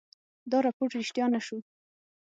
دا رپوټ ریشتیا نه شو.